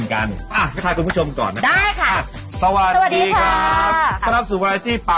ประมาณค่ะคุณผู้ชมก่อนนะได้ค่ะ